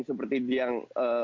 seperti dia yang